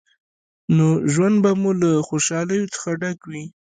نو ژوند به مو له خوشحالیو څخه ډک وي.